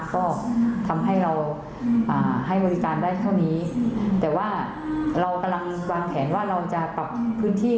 ก็ทำให้เราอ่าให้บริการได้เท่านี้แต่ว่าเรากำลังวางแผนว่าเราจะปรับพื้นที่